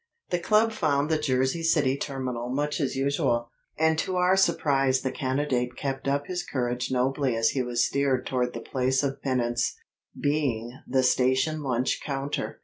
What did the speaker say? The club found the Jersey City terminal much as usual, and to our surprise the candidate kept up his courage nobly as he was steered toward the place of penance, being the station lunch counter.